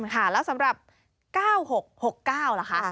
ค่ะแล้วสำหรับ๙๖๖๙ล่ะคะ